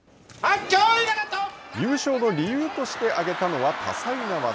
優勝の理由として挙げたのは多彩な技。